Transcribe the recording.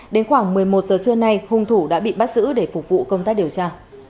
đến khoảng một mươi một giờ trưa nay hung thủ đã bị bắt giữ để phục vụ công tác điều tra